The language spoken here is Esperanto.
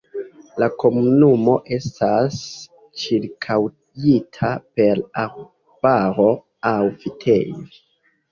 La komunumo estas ĉirkaŭita per arbaro aŭ vitejo.